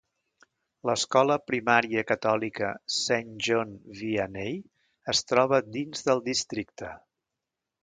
L'escola primària catòlica Saint John Vianney es troba dins del districte.